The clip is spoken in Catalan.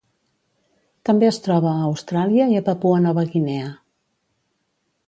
També es troba a Austràlia i a Papua Nova Guinea.